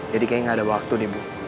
jadi kayaknya gak ada waktu deh bu